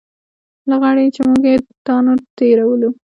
لغړی چې موږ یې له تاڼو تېرولو.